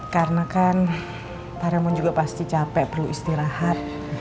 karena kan pak raymond juga pasti capek perlu istirahat